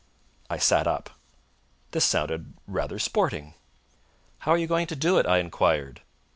I sat up. This sounded rather sporting. "How are you going to do it?" I enquired.